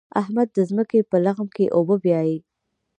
احمد د ځمکې په لغم کې اوبه بيايي.